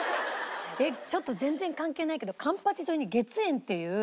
えっちょっと全然関係ないけど環八沿いに月園っていう。